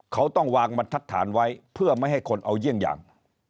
เขาต้องวางบรรทัดฐานไว้เพื่อไม่ให้คนเอาเยี่ยงอย่าง